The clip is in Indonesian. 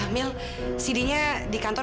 amil cd nya di kantor